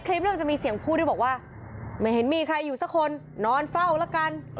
มันจะมีเสียงพูดด้วยบอกว่าไม่เห็นมีใครอยู่สักคนนอนเฝ้าละกัน